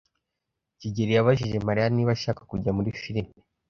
kigeli yabajije Mariya niba ashaka kujya muri firime.